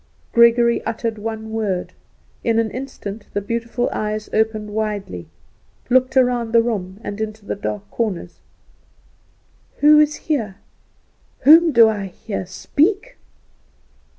Gregory uttered one word. In an instant the beautiful eyes opened widely, looked round the room and into the dark corners. "Who is here? Whom did I hear speak?"